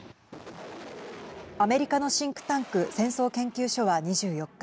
アメリカのシンクタンク戦争研究所は２４日